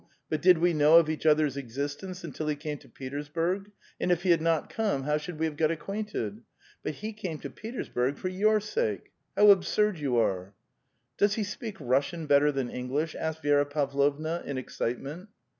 But did we know of each other's existence until he came to retei*sburg, and if he had not come, how should we have got acquainted? But he came to Petersburg for your sake! How absurd j'ou are !" ''Does he si^eak Russian better than English?" asked Vi6ra Pavlovna, in excitement.